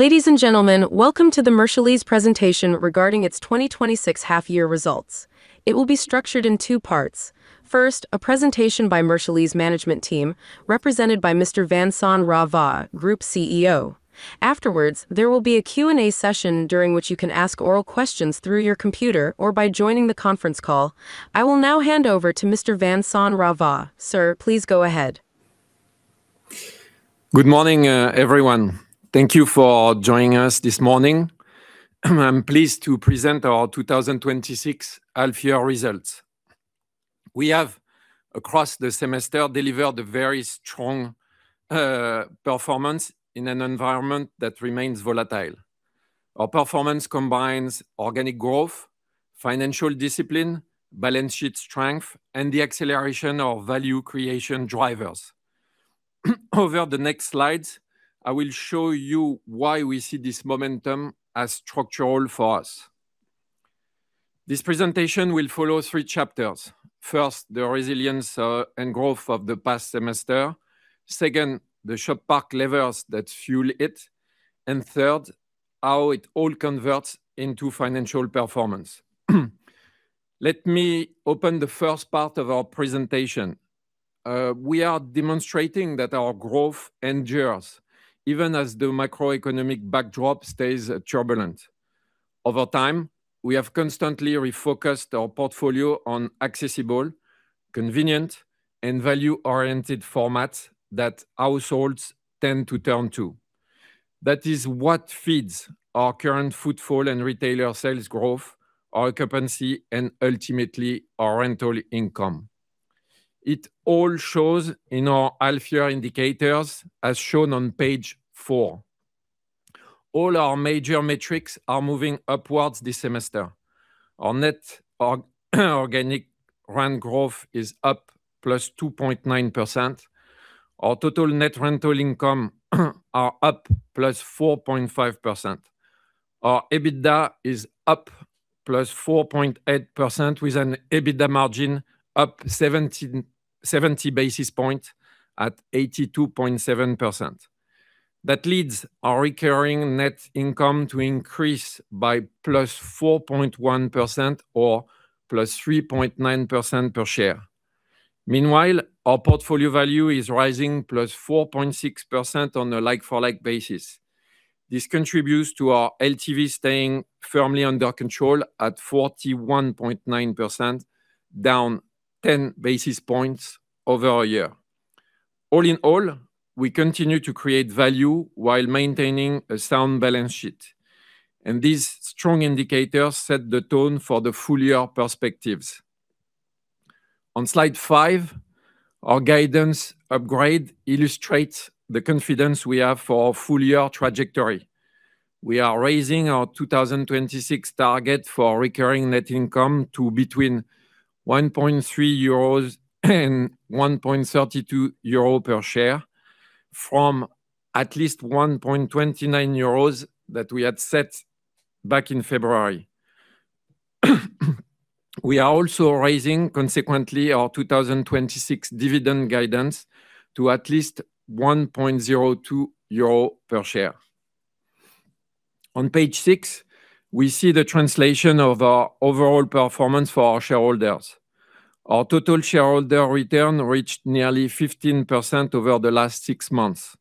Ladies and gentlemen, welcome to the Mercialys presentation regarding its 2026 half-year results. It will be structured in two parts. First, a presentation by Mercialys management team, represented by Mr. Vincent Ravat, Group CEO. Afterwards, there will be a Q&A session during which you can ask oral questions through your computer or by joining the conference call. I will now hand over to Mr. Vincent Ravat. Sir, please go ahead. Good morning, everyone. Thank you for joining us this morning. I'm pleased to present our 2026 half-year results. We have, across the semester, delivered a very strong performance in an environment that remains volatile. Our performance combines organic growth, financial discipline, balance sheet strength, and the acceleration of value creation drivers. Over the next slides, I will show you why we see this momentum as structural for us. This presentation will follow three chapters. First, the resilience and growth of the past semester. Second, the Shop Park levers that fuel it, and third, how it all converts into financial performance. Let me open the first part of our presentation. We are demonstrating that our growth endures, even as the macroeconomic backdrop stays turbulent. Over time, we have constantly refocused our portfolio on accessible, convenient, and value-oriented formats that households tend to turn to. That is what feeds our current footfall and retailer sales growth, our occupancy, and ultimately our rental income. It all shows in our half-year indicators, as shown on page four. All our major metrics are moving upwards this semester. Our net organic rent growth is up +2.9%. Our total net rental income are up +4.5%. Our EBITDA is up +4.8%, with an EBITDA margin up 70 basis points at 82.7%. That leads our recurring net income to increase by +4.1% or +3.9% per share. Meanwhile, our portfolio value is rising +4.6% on a like-for-like basis. This contributes to our LTV staying firmly under control at 41.9%, down 10 basis points over a year. All in all, we continue to create value while maintaining a sound balance sheet, and these strong indicators set the tone for the full-year perspectives. On slide five, our guidance upgrade illustrates the confidence we have for our full-year trajectory. We are raising our 2026 target for recurring net income to between 1.3 euros and 1.32 euros per share, from at least 1.29 euros that we had set back in February. We are also raising, consequently, our 2026 dividend guidance to at least 1.02 euro per share. On page six, we see the translation of our overall performance for our shareholders. Our total shareholder return reached nearly 15% over the last six months.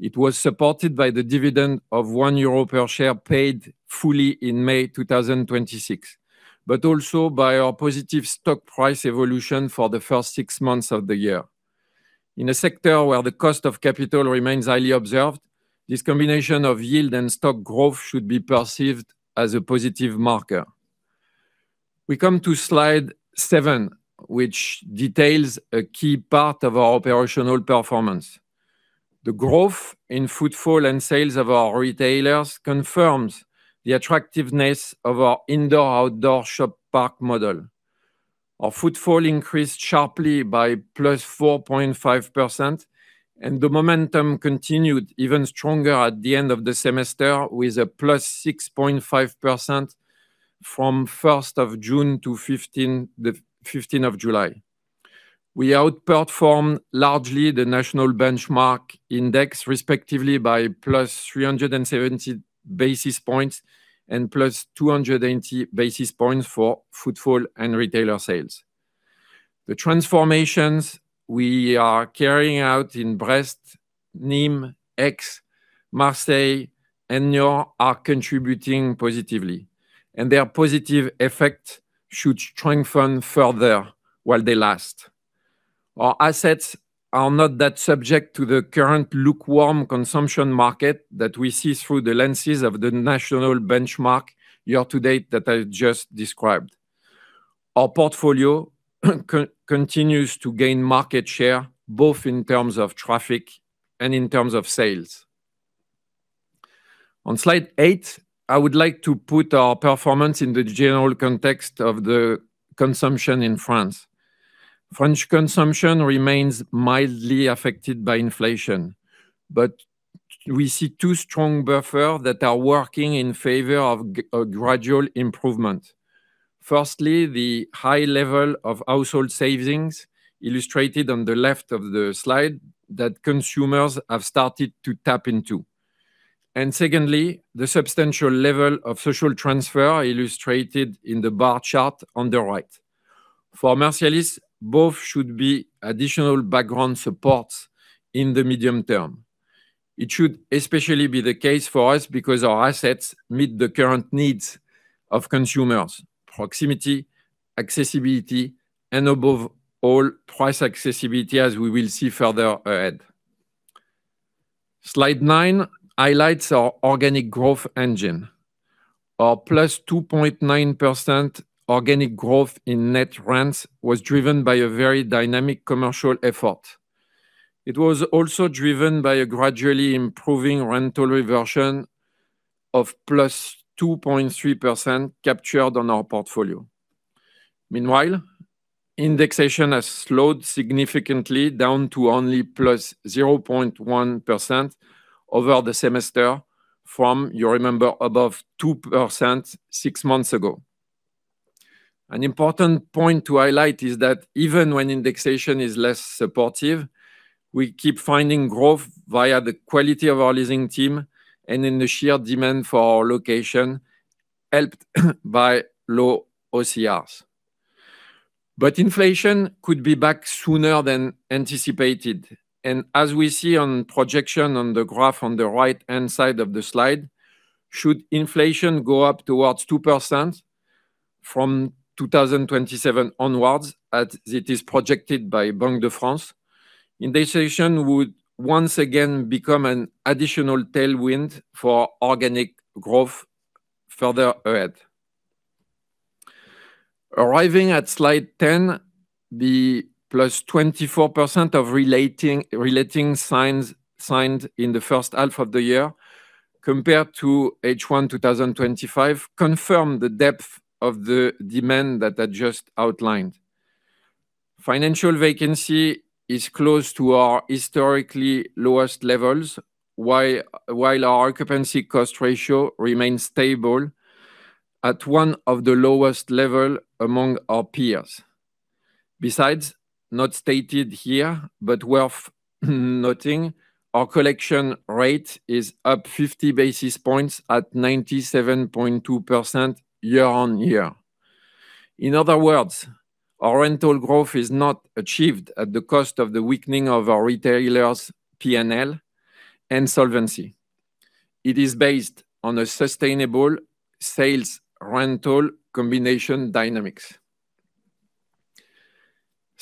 It was supported by the dividend of 1 euro per share paid fully in May 2026, also by our positive stock price evolution for the first six months of the year. In a sector where the cost of capital remains highly observed, this combination of yield and stock growth should be perceived as a positive marker. We come to slide seven, which details a key part of our operational performance. The growth in footfall and sales of our retailers confirms the attractiveness of our indoor-outdoor Shop Park model. Our footfall increased sharply by +4.5%, and the momentum continued even stronger at the end of the semester, with a +6.5% from 1st of June to the 15th of July. We outperformed largely the national benchmark index, respectively by +370 basis points and +280 basis points for footfall and retailer sales. The transformations we are carrying out in Brest, Nîmes, Aix, Marseille, and Niort are contributing positively, and their positive effect should strengthen further while they last. Our assets are not that subject to the current lukewarm consumption market that we see through the lenses of the national benchmark year to date that I just described. Our portfolio continues to gain market share, both in terms of traffic and in terms of sales. On slide eight, I would like to put our performance in the general context of the consumption in France. French consumption remains mildly affected by inflation, but we see two strong buffers that are working in favor of a gradual improvement. Firstly, the high level of household savings illustrated on the left of the slide that consumers have started to tap into. Secondly, the substantial level of social transfer illustrated in the bar chart on the right. For Mercialys, both should be additional background supports in the medium term. It should especially be the case for us because our assets meet the current needs of consumers, proximity, accessibility, and above all, price accessibility, as we will see further ahead. Slide nine highlights our organic growth engine. Our +2.9% organic growth in net rents was driven by a very dynamic commercial effort. It was also driven by a gradually improving rental reversion of +2.3% captured on our portfolio. Meanwhile, indexation has slowed significantly down to only +0.1% over the semester from, you remember, above 2% six months ago. An important point to highlight is that even when indexation is less supportive, we keep finding growth via the quality of our leasing team and in the sheer demand for our location, helped by low OCRs. Inflation could be back sooner than anticipated, and as we see on projection on the graph on the right-hand side of the slide, should inflation go up towards 2% from 2027 onwards, as it is projected by Banque de France, indexation would once again become an additional tailwind for organic growth further ahead. Arriving at Slide 10, the +24% of relating signs signed in the first half of the year compared to H1 2025 confirm the depth of the demand that I just outlined. Financial vacancy is close to our historically lowest levels, while our occupancy cost ratio remains stable at one of the lowest level among our peers. Besides, not stated here, but worth noting, our collection rate is up 50 basis points at 97.2% year-on-year. In other words, our rental growth is not achieved at the cost of the weakening of our retailers' P&L and solvency. It is based on a sustainable sales rental combination dynamics.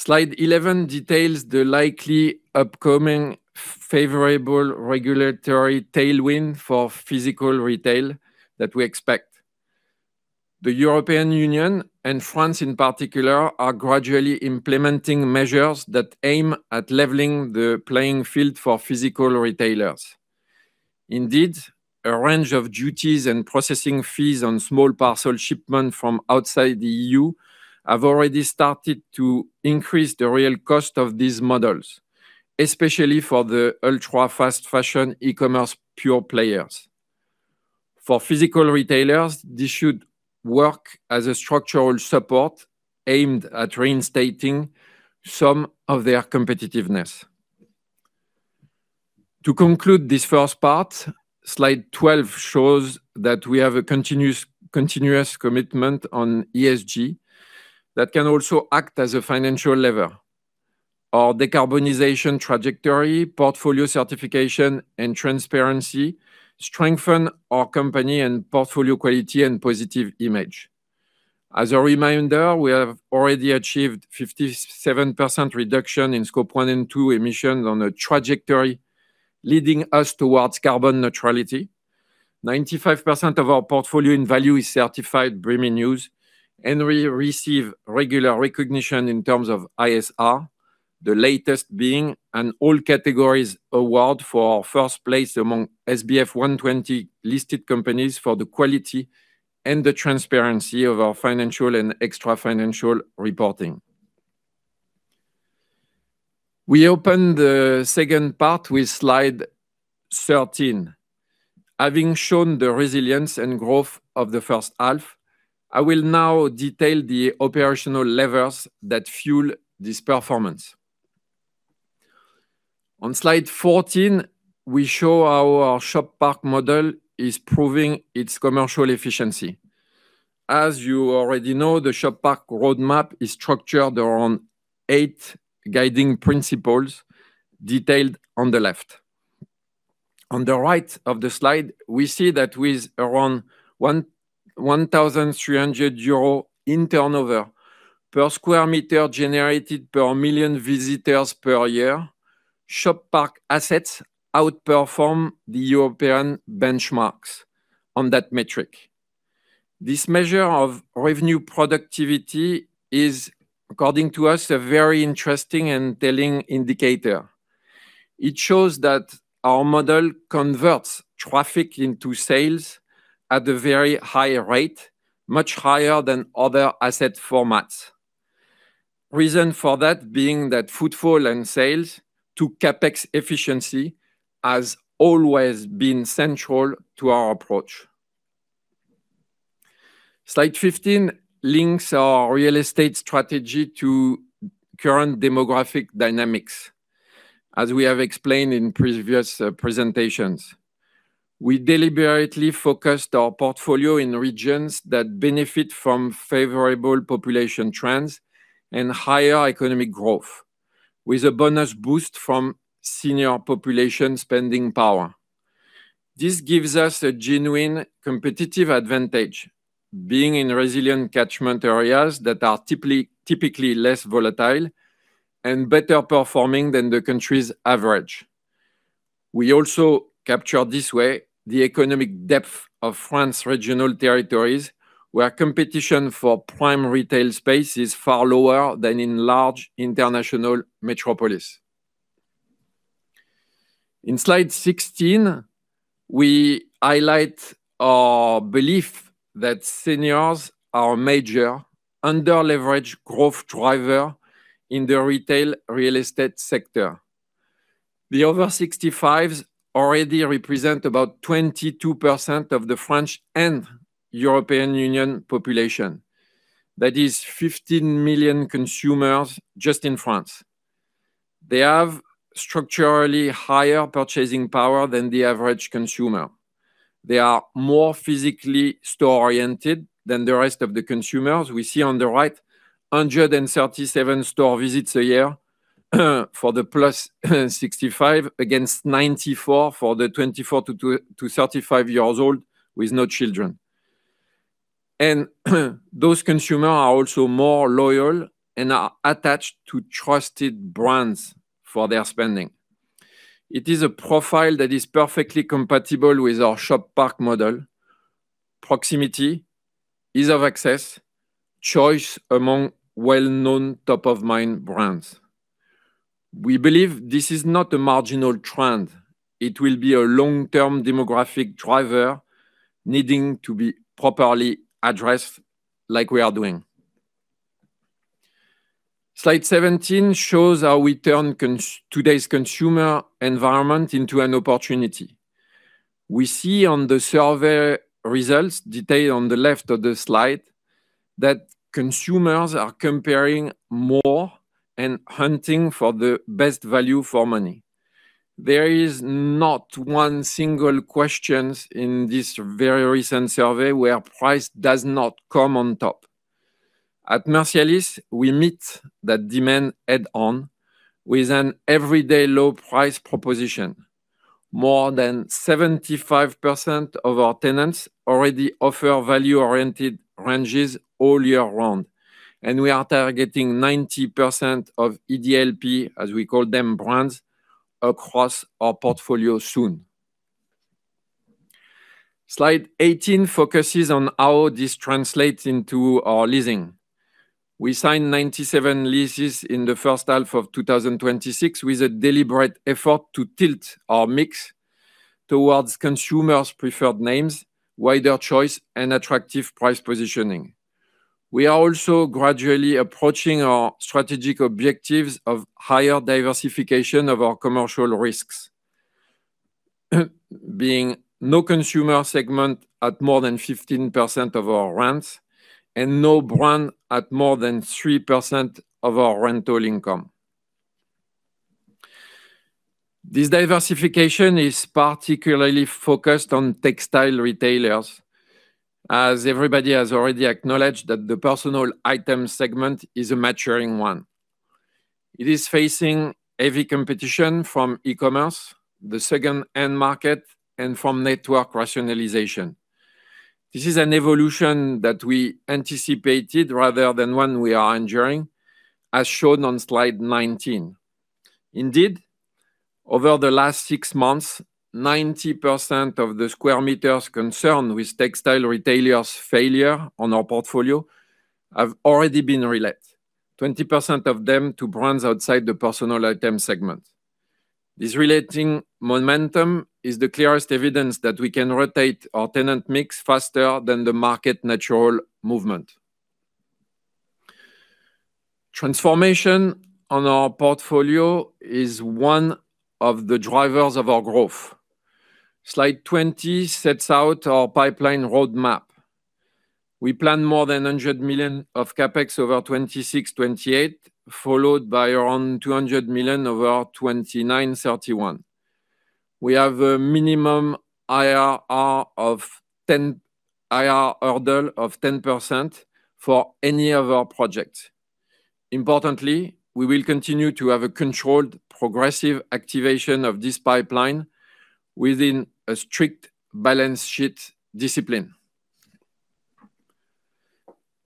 Slide 11 details the likely upcoming favorable regulatory tailwind for physical retail that we expect. The European Union and France, in particular, are gradually implementing measures that aim at leveling the playing field for physical retailers. Indeed, a range of duties and processing fees on small parcel shipment from outside the EU have already started to increase the real cost of these models, especially for the ultra-fast fashion e-commerce pure players. For physical retailers, this should work as a structural support aimed at reinstating some of their competitiveness. To conclude this first part, slide 12 shows that we have a continuous commitment on ESG that can also act as a financial lever. Our decarbonization trajectory, portfolio certification, and transparency strengthen our company and portfolio quality and positive image. As a reminder, we have already achieved 57% reduction in Scope 1 and 2 emissions on a trajectory leading us towards carbon neutrality. 95% of our portfolio value is certified BREEAM In-Use, and we receive regular recognition in terms of ISR, the latest being an all categories award for our first place among SBF 120 listed companies for the quality and the transparency of our financial and extra-financial reporting. We open the second part with slide 13. Having shown the resilience and growth of the first half, I will now detail the operational levers that fuel this performance. On slide 14, we show our Shop Park model is proving its commercial efficiency. As you already know, the Shop Park roadmap is structured around eight guiding principles detailed on the left. On the right of the slide, we see that with around 1,300 euros in turnover per square meter generated per million visitors per year, Shop Park assets outperform the European benchmarks on that metric. This measure of revenue productivity is, according to us, a very interesting and telling indicator. It shows that our model converts traffic into sales at a very high rate, much higher than other asset formats. Reason for that being that footfall and sales to CapEx efficiency has always been central to our approach. Slide 15 links our real estate strategy to current demographic dynamics, as we have explained in previous presentations. We deliberately focused our portfolio in regions that benefit from favorable population trends and higher economic growth, with a bonus boost from senior population spending power. This gives us a genuine competitive advantage being in resilient catchment areas that are typically less volatile and better performing than the country's average. We also capture this way the economic depth of France's regional territories, where competition for prime retail space is far lower than in large international metropolis. In Slide 16, we highlight our belief that seniors are a major under-leveraged growth driver in the retail real estate sector. The over 65s already represent about 22% of the French and European Union population. That is 15 million consumers just in France. They have structurally higher purchasing power than the average consumer. They are more physically store-oriented than the rest of the consumers. We see on the right 137 store visits a year for the plus 65, against 94 for the 24 to 35 years old with no children. Those consumers are also more loyal and are attached to trusted brands for their spending. It is a profile that is perfectly compatible with our Shop Park model, proximity, ease of access, choice among well-known top-of-mind brands. We believe this is not a marginal trend. It will be a long-term demographic driver needing to be properly addressed like we are doing. Slide 17 shows how we turn today's consumer environment into an opportunity. We see on the survey results, detailed on the left of the slide, that consumers are comparing more and hunting for the best value for money. There is not one single question in this very recent survey where price does not come on top. At Mercialys, we meet that demand head-on with an everyday low price proposition. More than 75% of our tenants already offer value-oriented ranges all year round, and we are targeting 90% of EDLP, as we call them, brands across our portfolio soon. Slide 18 focuses on how this translates into our leasing. We signed 97 leases in the first half of 2026, with a deliberate effort to tilt our mix towards consumers' preferred names, wider choice, and attractive price positioning. We are also gradually approaching our strategic objectives of higher diversification of our commercial risks, being no consumer segment at more than 15% of our rents and no brand at more than 3% of our rental income. This diversification is particularly focused on textile retailers, as everybody has already acknowledged that the personal item segment is a maturing one. It is facing heavy competition from e-commerce, the second-hand market, and from network rationalization. This is an evolution that we anticipated rather than one we are enduring, as shown on Slide 19. Indeed, over the last six months, 90% of the square meters concerned with textile retailers' failure on our portfolio have already been relet, 20% of them to brands outside the personal item segment. This reletting momentum is the clearest evidence that we can rotate our tenant mix faster than the market natural movement. Transformation on our portfolio is one of the drivers of our growth. Slide 20 sets out our pipeline roadmap. We plan more than 100 million of CapEx over 2026, 2028, followed by around 200 million over 2029, 2031. We have a minimum IRR hurdle of 10% for any of our projects. Importantly, we will continue to have a controlled progressive activation of this pipeline within a strict balance sheet discipline.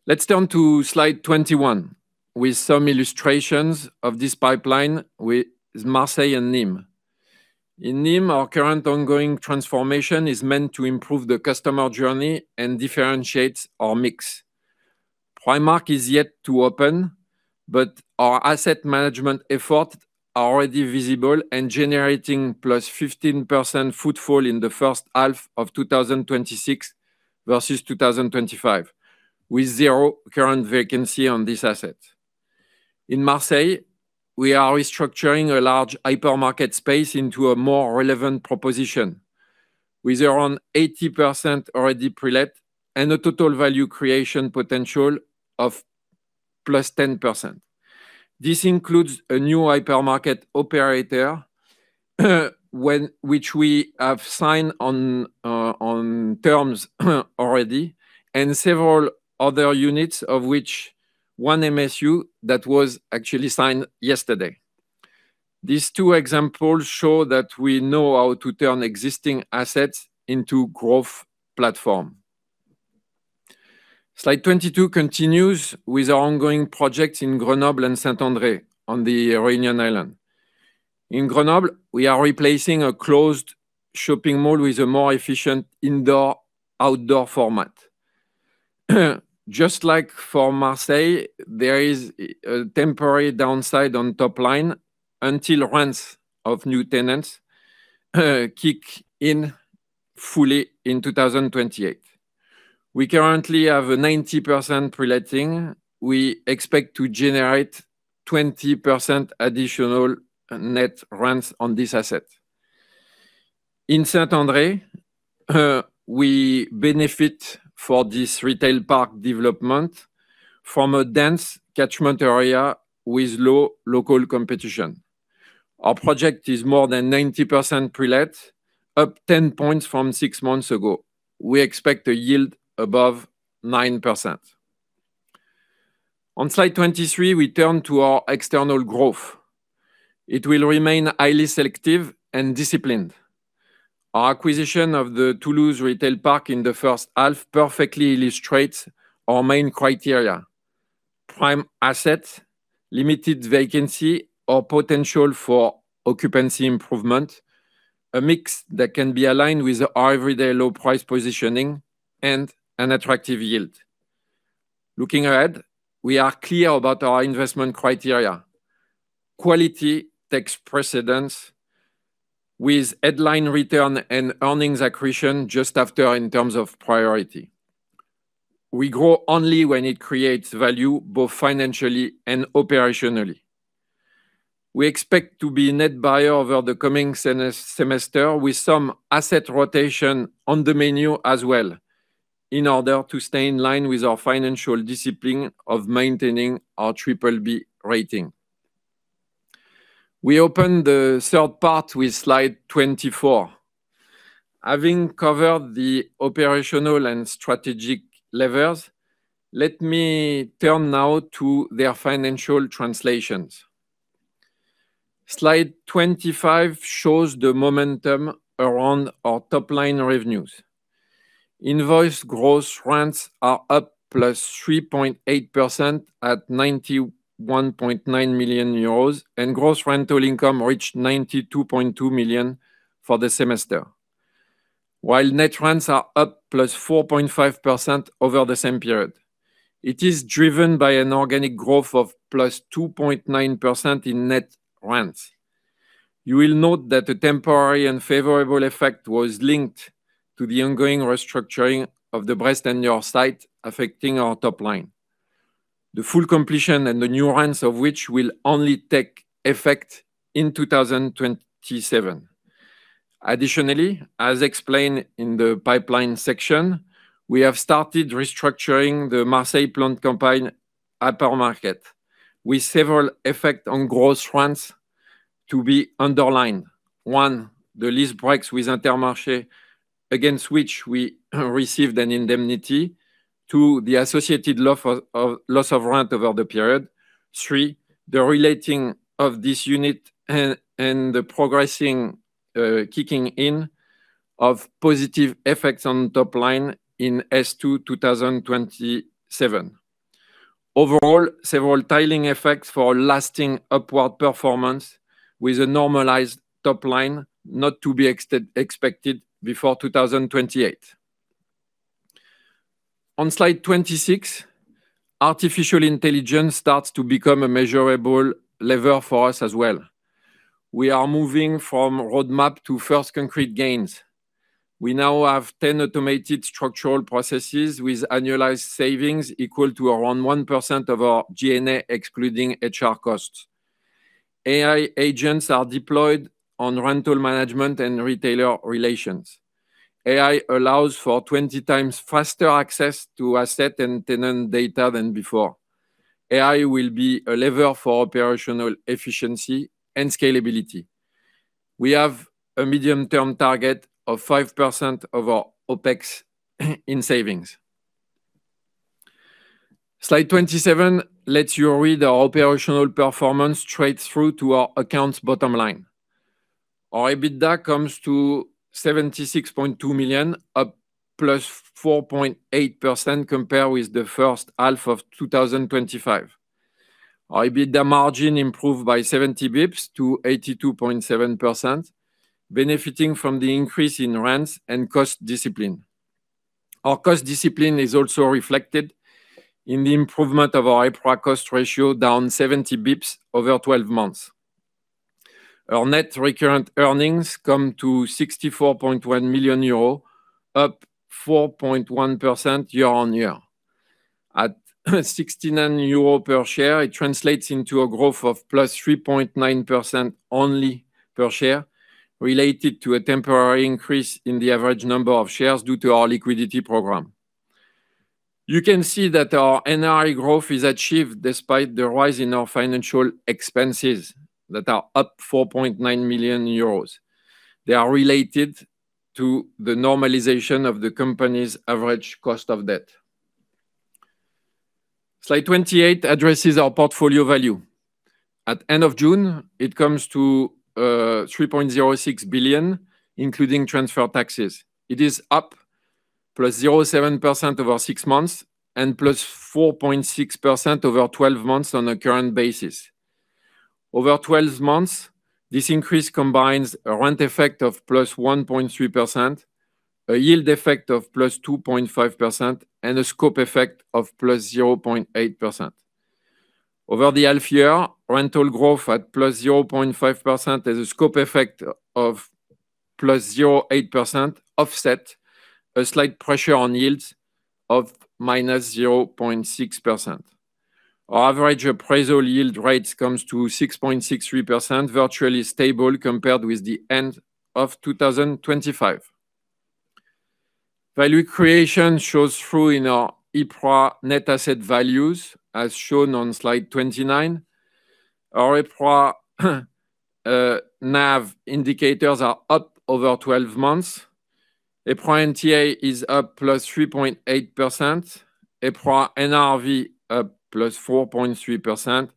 Let's turn to Slide 21 with some illustrations of this pipeline with Marseille and Nîmes. In Nîmes, our current ongoing transformation is meant to improve the customer journey and differentiate our mix. Primark is yet to open, but our asset management efforts are already visible and generating plus 15% footfall in the first half of 2026 versus 2025 with zero current vacancy on this asset. In Marseille, we are restructuring a large hypermarket space into a more relevant proposition with around 80% already pre-let and a total value creation potential of plus 10%. This includes a new hypermarket operator, which we have signed on terms already and several other units, of which one MSU that was actually signed yesterday. These two examples show that we know how to turn existing assets into growth platform. Slide 22 continues with our ongoing projects in Grenoble and Saint-André on the Réunion Island. In Grenoble, we are replacing a closed shopping mall with a more efficient indoor/outdoor format. Just like for Marseille, there is a temporary downside on top line until rents of new tenants kick in fully in 2028. We currently have a 90% pre-letting. We expect to generate 20% additional net rents on this asset. In Saint-André, we benefit for this retail park development from a dense catchment area with low local competition. Our project is more than 90% pre-let, up 10 points from six months ago. We expect a yield above 9%. On slide 23, we turn to our external growth. It will remain highly selective and disciplined. Our acquisition of the Toulouse retail park in the first half perfectly illustrates our main criteria: prime asset, limited vacancy, or potential for occupancy improvement, a mix that can be aligned with our everyday low price positioning and an attractive yield. Looking ahead, we are clear about our investment criteria. Quality takes precedence with headline return and earnings accretion just after in terms of priority. We grow only when it creates value, both financially and operationally. We expect to be net buyer over the coming semester with some asset rotation on the menu as well in order to stay in line with our financial discipline of maintaining our BBB rating. We open the third part with slide 24. Having covered the operational and strategic levers, let me turn now to their financial translations. Slide 25 shows the momentum around our top-line revenues. Invoiced gross rents are up +3.8% at 91.9 million euros, and gross rental income reached 92.2 million for the semester. While net rents are up +4.5% over the same period. It is driven by an organic growth of +2.9% in net rents. You will note that the temporary and favorable effect was linked to the ongoing restructuring of the Brest and Niort site affecting our top line. The full completion and the new rents of which will only take effect in 2027. Additionally, as explained in the pipeline section, we have started restructuring the Marseille Plan de Campagne hypermarket with several effect on gross rents to be underlined. One, the lease breaks with Intermarché, against which we received an indemnity. Two, the associated loss of rent over the period. Three, the reletting of this unit and the progressing, kicking in of positive effects on top line in S2, 2027. Overall, several tailing effects for lasting upward performance with a normalized top line not to be expected before 2028. On slide 26, artificial intelligence starts to become a measurable lever for us as well. We are moving from roadmap to first concrete gains. We now have 10 automated structural processes with annualized savings equal to around 1% of our G&A, excluding HR costs. AI agents are deployed on rental management and retailer relations. AI allows for 20X faster access to asset and tenant data than before. AI will be a lever for operational efficiency and scalability. We have a medium-term target of 5% of our OPEX in savings. Slide 27 lets you read our operational performance straight through to our account's bottom line. Our EBITDA comes to 76.2 million, up +4.8% compared with the first half of 2025. Our EBITDA margin improved by 70 basis points to 82.7%, benefiting from the increase in rents and cost discipline. Our cost discipline is also reflected in the improvement of our EPRA cost ratio, down 70 basis points over 12 months. Our net recurrent earnings come to 64.1 million euros, up 4.1% year-over-year. At 0.69 euros per share, it translates into a growth of +3.9% only per share, related to a temporary increase in the average number of shares due to our liquidity program. You can see that our NRI growth is achieved despite the rise in our financial expenses that are up 4.9 million euros. They are related to the normalization of the company's average cost of debt. Slide 28 addresses our portfolio value. At the end of June, it comes to 3.06 billion, including transfer taxes. It is up +0.7% over six months and +4.6% over 12 months on a current basis. Over 12 months, this increase combines a rent effect of +1.3%, a yield effect of +2.5%, and a scope effect of +0.8%. Over the half-year, rental growth at +0.5% has a scope effect of +0.8%, offset a slight pressure on yields of -0.6%. Our average appraisal yield rates comes to 6.63%, virtually stable compared with the end of 2025. Value creation shows through in our EPRA net asset values, as shown on Slide 29. Our EPRA NAV indicators are up over 12 months. EPRA NTA is up +3.8%, EPRA NRV up +4.3%,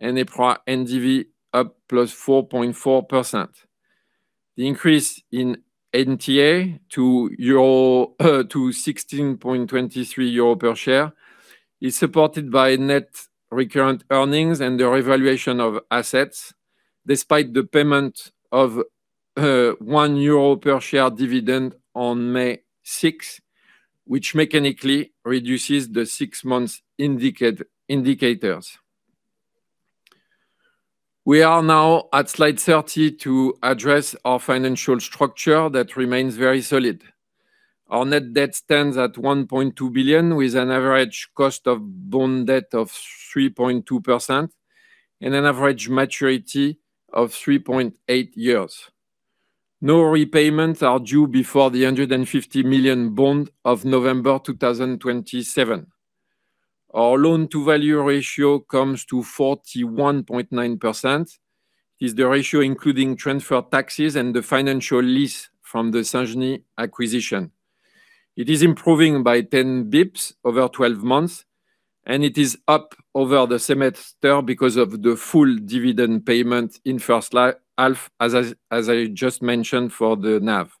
and EPRA NDV up +4.4%. The increase in NTA to 16.23 euro per share is supported by net recurrent earnings and the revaluation of assets, despite the payment of 1 euro per share dividend on May 6, which mechanically reduces the six-month indicators. We are now at Slide 30 to address our financial structure that remains very solid. Our net debt stands at 1.2 billion, with an average cost of bond debt of 3.2% and an average maturity of 3.8 years. No repayments are due before the 150 million bond of November 2027. Our loan-to-value ratio comes to 41.9%, is the ratio including transfer taxes and the financial lease from the Saint-Genis acquisition. It is improving by 10 basis points over 12 months, and it is up over the semester because of the full dividend payment in first half, as I just mentioned for the NAV.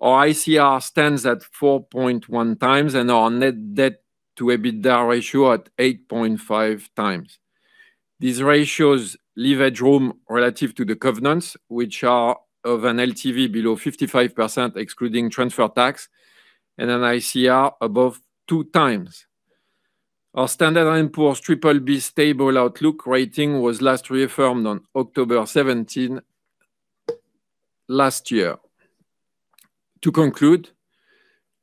Our ICR stands at 4.1X and our net debt to EBITDA ratio at 8.5X. These ratios leave a room relative to the covenants, which are of an LTV below 55%, excluding transfer tax and an ICR above 2X. Our Standard & Poor's BBB stable outlook rating was last reaffirmed on October 17 last year. To conclude,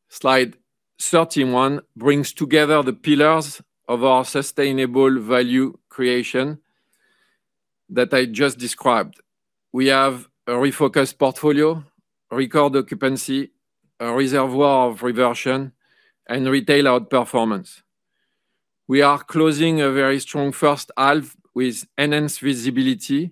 Slide 31 brings together the pillars of our sustainable value creation that I just described. We have a refocused portfolio, record occupancy, a reservoir of reversion, and retail outperformance. We are closing a very strong first half with enhanced visibility,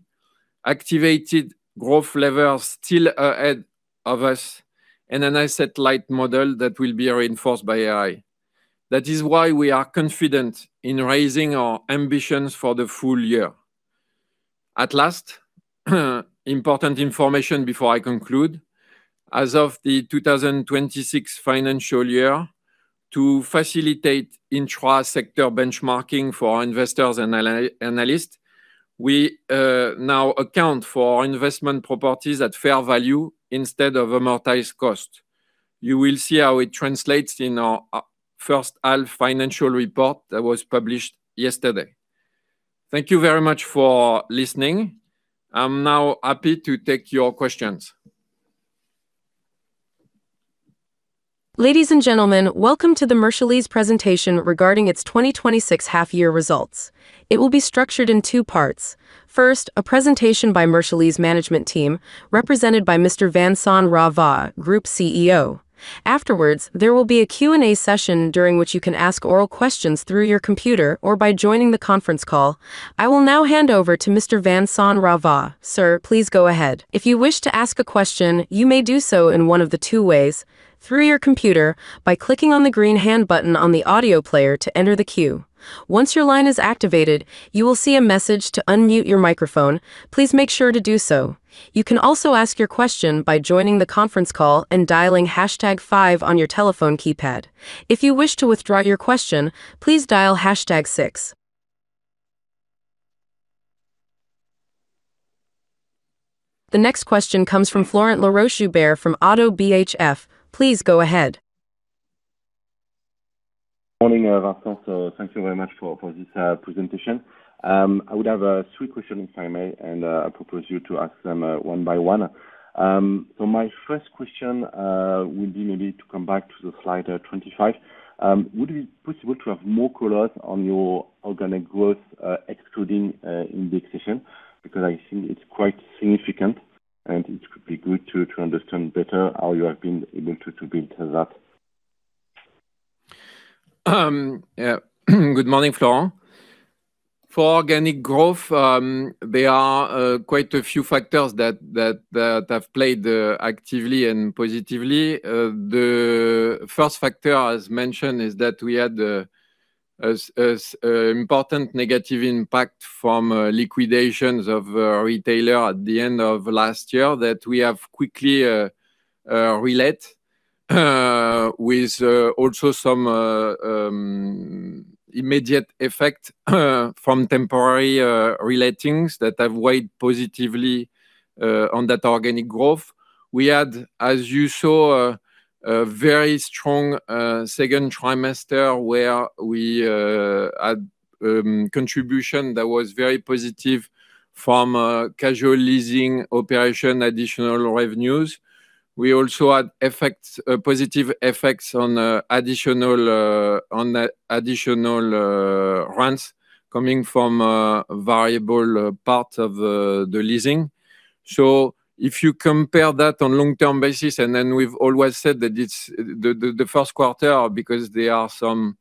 activated growth levers still ahead of us, and an asset-light model that will be reinforced by AI. That is why we are confident in raising our ambitions for the full year. At last, important information before I conclude. As of the 2026 financial year, to facilitate intra-sector benchmarking for our investors and analysts, we now account for our investment properties at fair value instead of amortized cost. You will see how it translates in our first-half financial report that was published yesterday. Thank you very much for listening. I'm now happy to take your questions. Ladies and gentlemen, welcome to the Mercialys presentation regarding its 2026 half-year results. It will be structured in two parts. First, a presentation by Mercialys management team, represented by Mr. Vincent Ravat, Group CEO. Afterwards, there will be a Q&A session during which you can ask oral questions through your computer or by joining the conference call. I will now hand over to Mr. Vincent Ravat. Sir, please go ahead. If you wish to ask a question, you may do so in one of the two ways. Through your computer by clicking on the green hand button on the audio player to enter the queue. Once your line is activated, you will see a message to unmute your microphone. Please make sure to do so. You can also ask your question by joining the conference call and dialing hash tag five on your telephone keypad. If you wish to withdraw your question, please dial hash tag six. The next question comes from Florent Laroche-Joubert from Oddo BHF. Please go ahead. Morning, Vincent. Thank you very much for this presentation. I would have three questions, if I may, and I propose you to ask them one by one. My first question will be maybe to come back to the slide 25. Would it be possible to have more colors on your organic growth, excluding indexation? I think it's quite significant, and it could be good to understand better how you have been able to build that. Good morning, Florent. For organic growth, there are quite a few factors that have played actively and positively. The first factor, as mentioned, is that we had important negative impact from liquidations of retailer at the end of last year that we have quickly relet with also some immediate effect from temporary relating's that have weighed positively on that organic growth. We had, as you saw, a very strong second trimester where we had contribution that was very positive from casual leasing operation additional revenues. We also had positive effects on additional rents coming from variable part of the leasing. If you compare that on long-term basis, we've always said that the first quarter, because there are some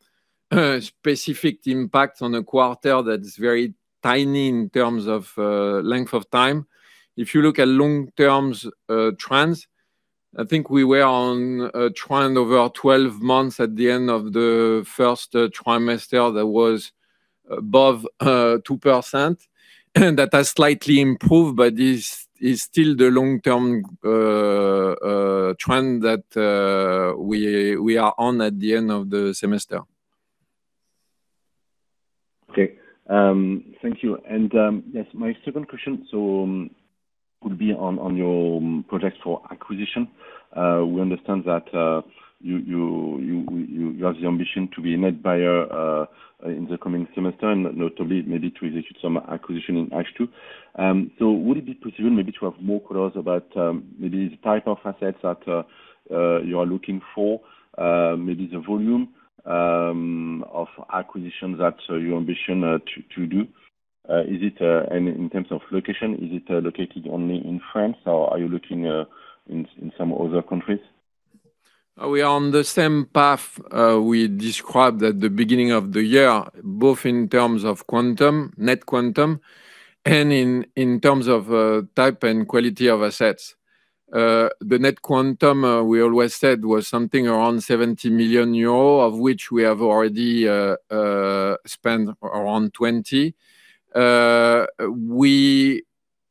specific impacts on a quarter that's very tiny in terms of length of time. If you look at long-term trends, I think we were on a trend over 12 months at the end of the first trimester that was above 2%. That has slightly improved, but it's still the long-term trend that we are on at the end of the semester. Okay. Thank you. Yes, my second question would be on your projects for acquisition. We understand that you have the ambition to be a net buyer in the coming semester, notably maybe to initiate some acquisition in H2. Would it be possible maybe to have more colors about maybe the type of assets that you are looking for? Maybe the volume of acquisitions that you ambition to do. In terms of location, is it located only in France, or are you looking in some other countries? We are on the same path we described at the beginning of the year, both in terms of net quantum and in terms of type and quality of assets. The net quantum, we always said, was something around 70 million euro, of which we have already spent around 20 million. We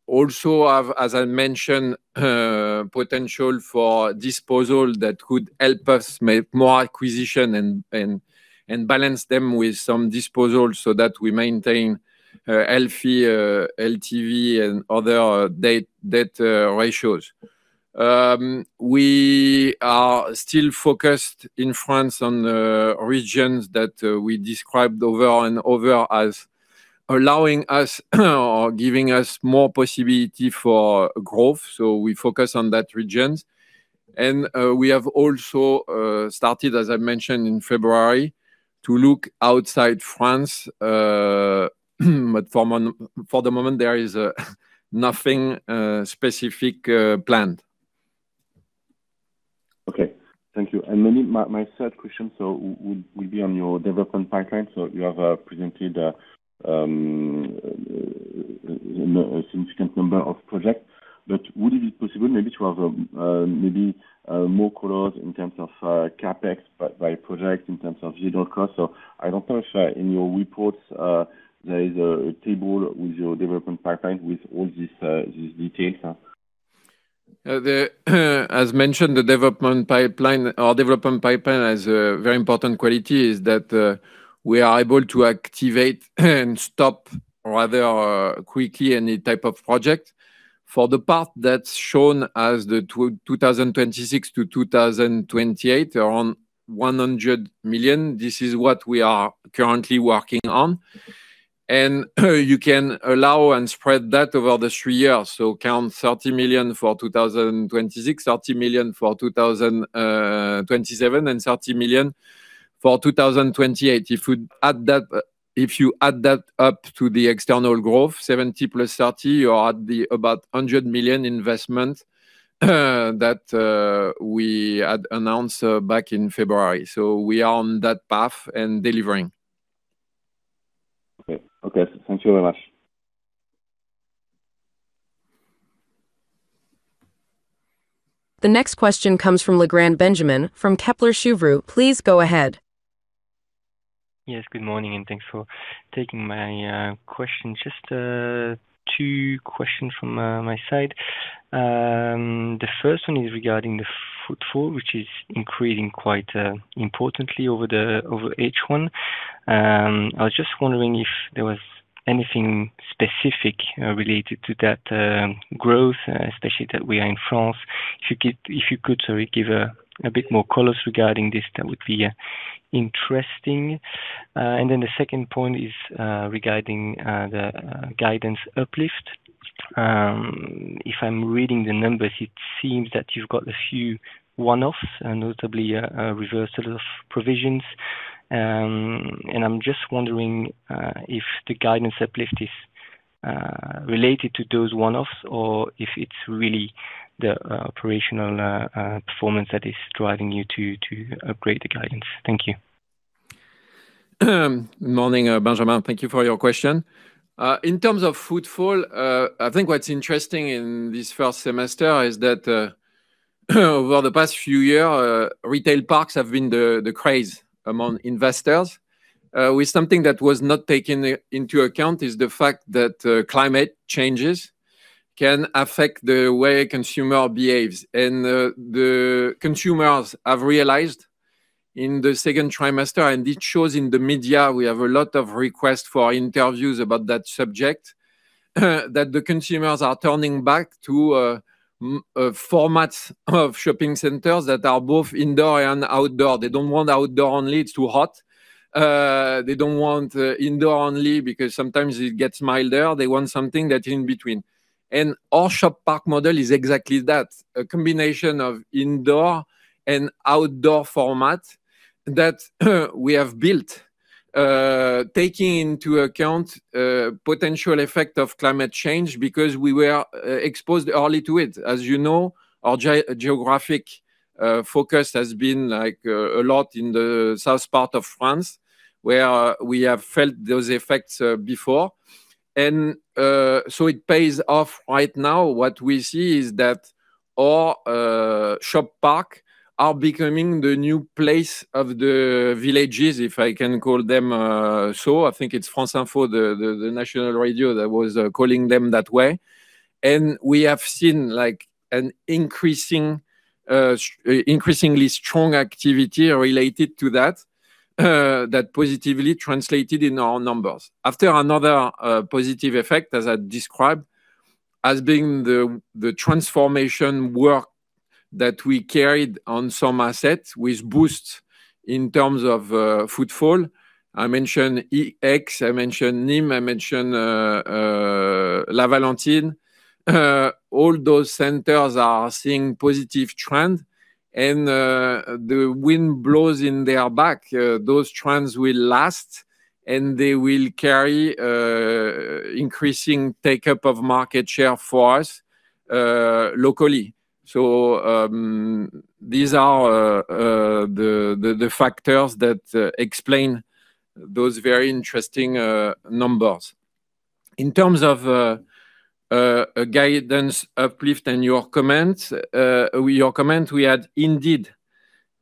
also have, as I mentioned, potential for disposal that could help us make more acquisition and balance them with some disposals so that we maintain healthy LTV and other debt ratios. We are still focused in France on regions that we described over and over as allowing us or giving us more possibility for growth. We focus on that regions. We have also started, as I mentioned, in February, to look outside France. For the moment, there is nothing specific planned. Okay. Thank you. Maybe my third question would be on your development pipeline. You have presented a significant number of projects, would it be possible maybe to have maybe more colors in terms of CapEx by project, in terms of general cost? I don't know if in your reports there is a table with your development pipeline with all these details. As mentioned, our development pipeline has a very important quality, is that we are able to activate and stop rather quickly any type of project. For the part that's shown as the 2026 to 2028, around 100 million, this is what we are currently working on. You can allow and spread that over the three years. Count 30 million for 2026, 30 million for 2027, and 30 million for 2028. If you add that up to the external growth, 70+30, you add the about 100 million investment that we had announced back in February. We are on that path and delivering. Okay. Thank you very much. The next question comes from Legrand Benjamin from Kepler Cheuvreux. Please go ahead. Yes, good morning, and thanks for taking my question. Just two questions from my side. The first one is regarding the footfall, which is increasing quite importantly over H1. I was just wondering if there was anything specific related to that growth, especially that we are in France. If you could sorry, give a bit more colors regarding this, that would be interesting. The second point is regarding the guidance uplift. If I'm reading the numbers, it seems that you've got a few one-offs and notably a reversal of provisions. I'm just wondering if the guidance uplift is related to those one-offs or if it's really the operational performance that is driving you to upgrade the guidance. Thank you. Morning, Benjamin. Thank you for your question. In terms of footfall, I think what's interesting in this first semester is that over the past few years, retail parks have been the craze among investors. Something that was not taken into account is the fact that climate changes can affect the way a consumer behaves. The consumers have realized in the second trimester, and it shows in the media, we have a lot of requests for interviews about that subject, that the consumers are turning back to formats of shopping centers that are both indoor and outdoor. They don't want outdoor only. It's too hot. They don't want indoor only because sometimes it gets milder. They want something that's in between. Our Shop Park model is exactly that. A combination of indoor and outdoor format that we have built, taking into account potential effect of climate change because we were exposed early to it. As you know, our geographic focus has been a lot in the south part of France, where we have felt those effects before. It pays off right now what we see is that our Shop Parks are becoming the new place of the villages, if I can call them so. I think it's France Info, the national radio, that was calling them that way. We have seen an increasingly strong activity related to that positively translated in our numbers. After another positive effect, as I described, as being the transformation work that we carried on some assets with a boost in terms of footfall. I mentioned Aix, I mentioned Nîmes, I mentioned La Valentine. All those centers are seeing positive trends, and the wind blows in their back. Those trends will last, and they will carry increasing take-up of market share for us locally. These are the factors that explain those very interesting numbers. In terms of guidance uplift and your comment, we had indeed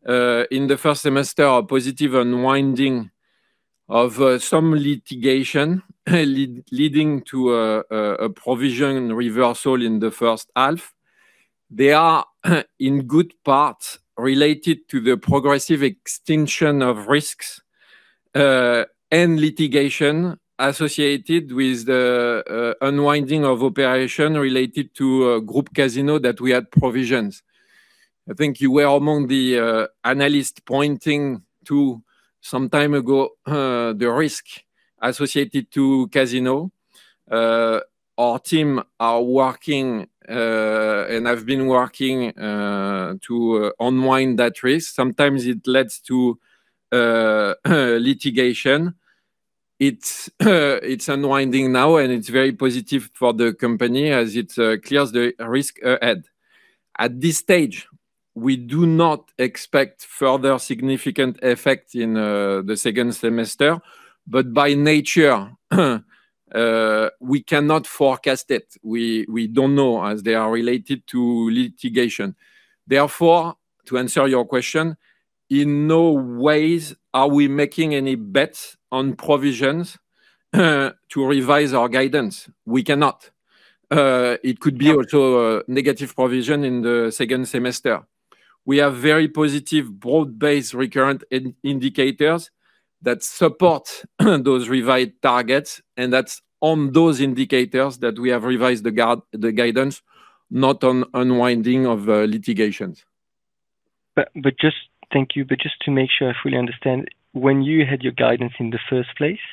in the first semester, a positive unwinding of some litigation leading to a provision reversal in the first half. They are in good part related to the progressive extinction of risks, and litigation associated with the unwinding of operations related to Groupe Casino that we had provisions. I think you were among the analysts pointing to some time ago the risk associated to Casino. Our team is working, and have been working to unwind that risk. Sometimes it leads to litigation. It's unwinding now, and it's very positive for the company as it clears the risk ahead. At this stage, we do not expect further significant effect in the second semester. By nature, we cannot forecast it. We don't know as they are related to litigation. To answer your question, in no way are we making any bets on provisions to revise our guidance. We cannot. It could be also a negative provision in the second semester. We have very positive broad-based recurrent indicators that support those revised targets, and that's on those indicators that we have revised the guidance, not on unwinding of litigations. Thank you. Just to make sure I fully understand, when you had your guidance in the first place,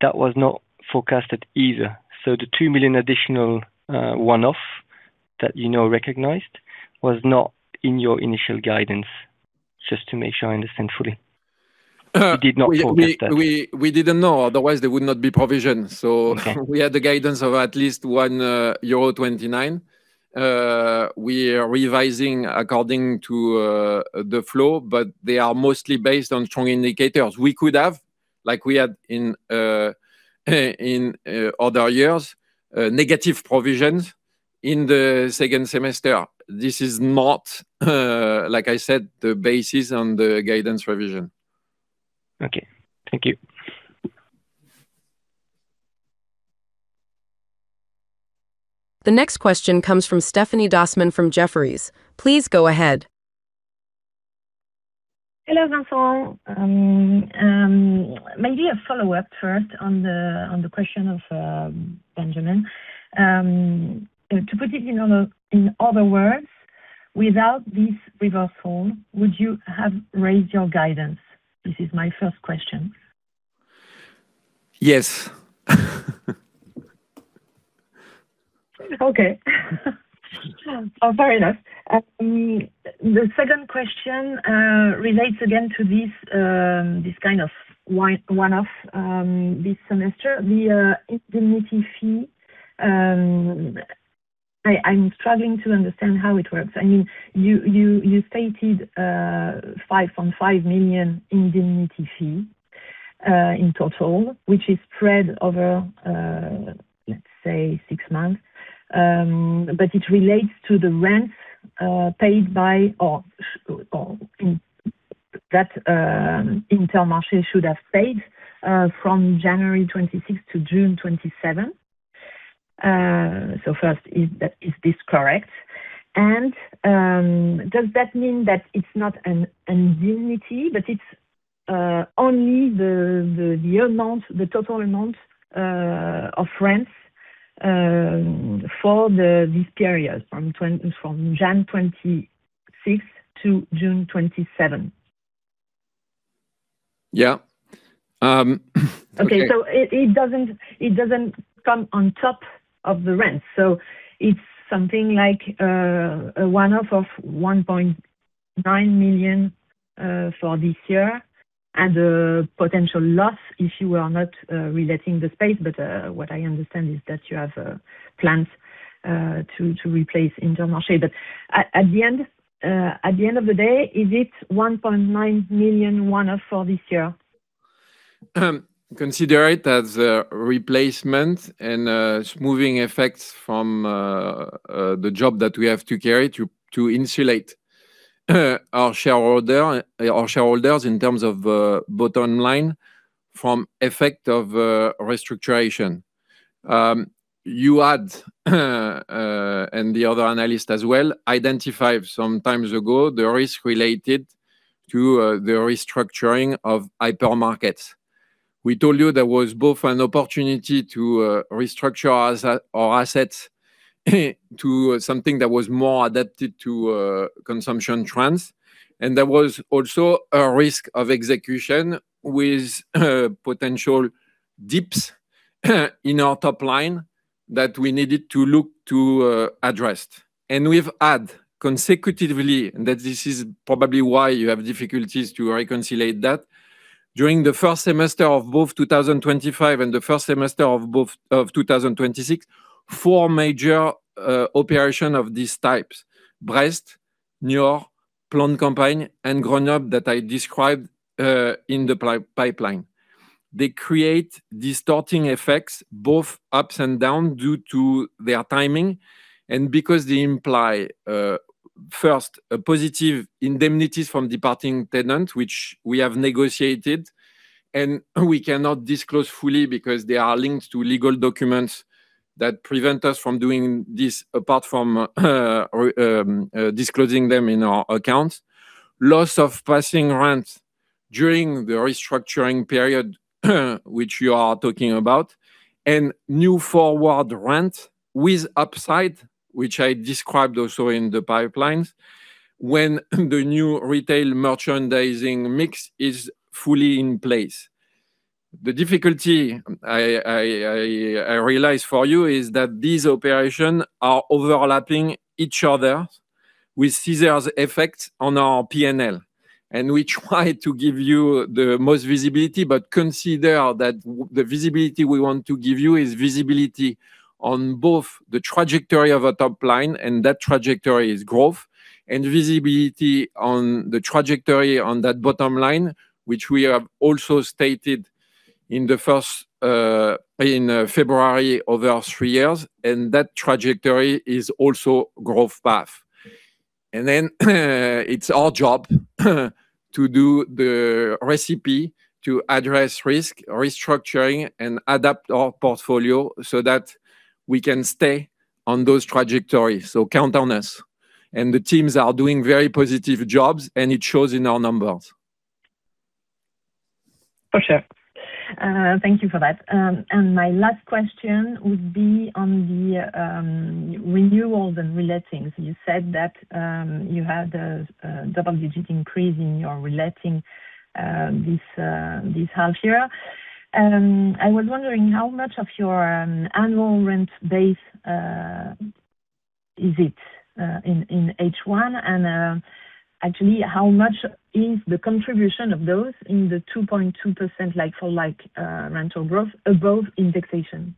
that was not forecasted either. The 2 million additional one-off that you now recognized was not in your initial guidance. Just to make sure I understand fully. You did not forecast that. We didn't know, otherwise there would not be provision. We had the guidance of at least €1.29. We are revising according to the flow, they are mostly based on strong indicators. We could have, like we had in other years, negative provisions in the second semester. This is not, like I said, the basis on the guidance revision. Okay. Thank you. The next question comes from Stéphanie Dossmann from Jefferies. Please go ahead. Hello, Vincent. Maybe a follow-up first on the question of Benjamin. To put it in other words, without this reversal, would you have raised your guidance? This is my first question. Yes. Okay. Fair enough. The second question relates again to this kind of one-off this semester, the indemnity fee. I am struggling to understand how it works. You stated 5.5 million indemnity fee in total, which is spread over, let's say, six months. It relates to the rents paid by or that Intermarché should have paid from January 26 to June 27. First, is this correct? Does that mean that it is not an indemnity, but it is only the total amount of rents for this period from January 26 to June 27? Yeah. Okay. Okay, it does not come on top of the rent. It is something like a one-off of 1.9 million for this year and a potential loss if you are not reletting the space. What I understand is that you have plans to replace Intermarché. At the end of the day, is it 1.9 million one-off for this year? Consider it as a replacement and a smoothing effect from the job that we have to carry to insulate our shareholders in terms of bottom line from effect of restructuring. You had, and the other analyst as well, identified some time ago the risk related to the restructuring of hypermarkets. We told you there was both an opportunity to restructure our assets to something that was more adapted to consumption trends. There was also a risk of execution with potential dips in our top line that we needed to look to address. We've had consecutively, and this is probably why you have difficulties to reconcile that. During the first semester of both 2025 and the first semester of 2026, four major operations of these types, Brest, Niort, Plan de Campagne, and Grenoble that I described in the pipeline. They create distorting effects both ups and downs due to their timing and because they imply, first, positive indemnities from departing tenant, which we have negotiated, and we cannot disclose fully because they are linked to legal documents that prevent us from doing this apart from disclosing them in our accounts. Loss of passing rent during the restructuring period which you are talking about. New forward rent with upside, which I described also in the pipeline, when the new retail merchandising mix is fully in place. The difficulty I realize for you is that these operations are overlapping each other with scissor effect on our P&L. We try to give you the most visibility. Consider that the visibility we want to give you is visibility on both the trajectory of a top line. That trajectory is growth. Visibility on the trajectory on that bottom line, which we have also stated in February over our three years. That trajectory is also growth path. It's our job to do the recipe to address risk, restructuring, and adapt our portfolio so that we can stay on those trajectories. Count on us. The teams are doing very positive jobs, and it shows in our numbers. For sure. Thank you for that. My last question would be on the renewals and relettings. You said that you had a double-digit increase in your reletting this half year. I was wondering how much of your annual rent base is it in H1? Actually, how much is the contribution of those in the 2.2% like-for-like rental growth above indexation?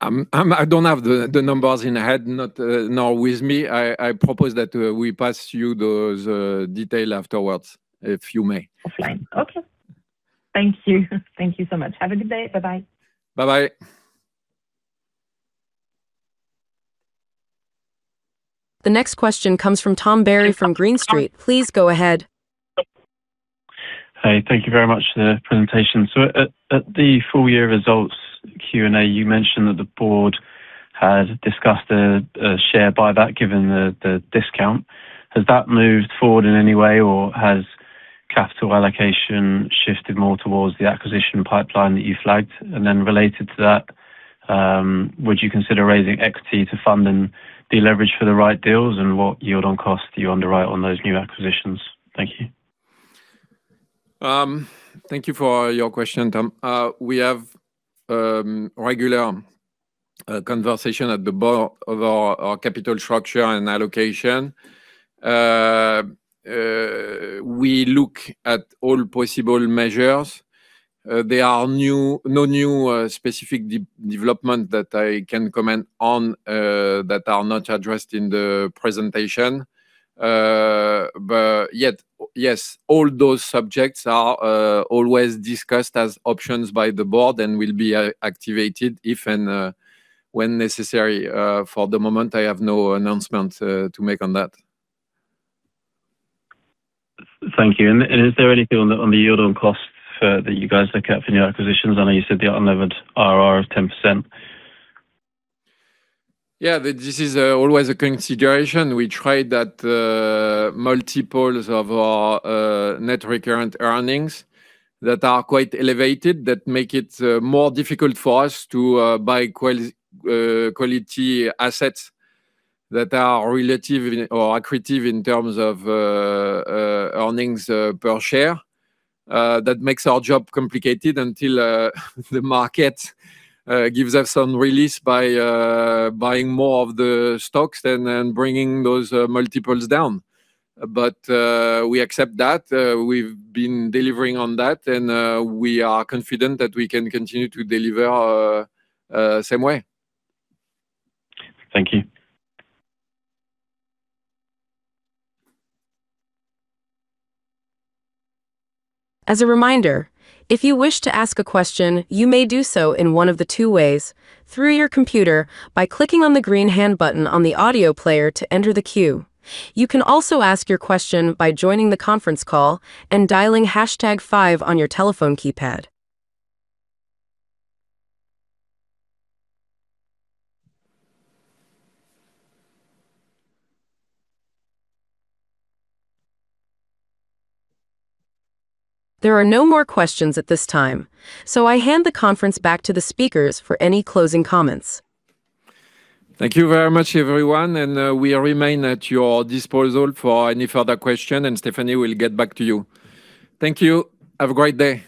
I do not have the numbers in hand, not now with me. I propose that we pass you those detail afterwards, if you may. Offline. Okay. Thank you. Thank you so much. Have a good day. Bye-bye. Bye-bye. The next question comes from Tom Berry from Green Street. Please go ahead. Hey, thank you very much for the presentation. At the full-year results Q&A, you mentioned that the board had discussed a share buyback given the discount. Has that moved forward in any way, or has capital allocation shifted more towards the acquisition pipeline that you flagged? Related to that, would you consider raising equity to fund and deleverage for the right deals? What yield on cost do you underwrite on those new acquisitions? Thank you. Thank you for your question, Tom. We have regular conversation at the board of our capital structure and allocation. We look at all possible measures. There are no new specific development that I can comment on that are not addressed in the presentation. Yes, all those subjects are always discussed as options by the board and will be activated if and when necessary. For the moment, I have no announcement to make on that. Thank you. Is there anything on the yield on costs that you guys look at for new acquisitions? I know you said the unlevered IRR of 10%. Yeah, this is always a consideration. We trade at multiples of our net recurrent earnings that are quite elevated, that make it more difficult for us to buy quality assets that are relative or accretive in terms of earnings per share. That makes our job complicated until the market gives us some release by buying more of the stocks than bringing those multiples down. We accept that. We've been delivering on that, and we are confident that we can continue to deliver same way. Thank you. As a reminder, if you wish to ask a question, you may do so in one of the two ways: through your computer by clicking on the green hand button on the audio player to enter the queue. You can also ask your question by joining the conference call and dialing harsh tag five on your telephone keypad. There are no more questions at this time. I hand the conference back to the speakers for any closing comments. Thank you very much, everyone. We remain at your disposal for any further question, Stéphanie will get back to you. Thank you. Have a great day.